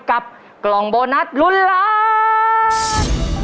กับกล่องโบนัสลุ้นล้าน